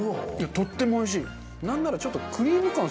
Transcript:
とってもおいしい。